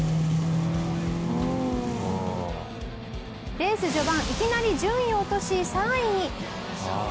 レース序盤いきなり順位を落とし３位に。